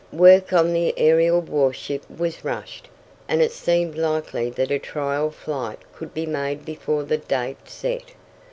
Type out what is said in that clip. Work on the aerial warship was rushed, and it seemed likely that a trial flight could be made before the date set.